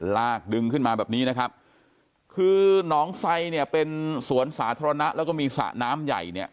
ลากดึงขึ้นมาแบบนี้นะครับคือหนองไซเนี่ยเป็นสวนสาธารณะแล้วก็มีสระน้ำใหญ่เนี่ย